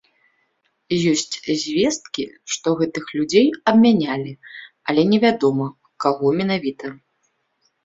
Ёсць звесткі, што гэтых людзей абмянялі, але невядома, каго менавіта.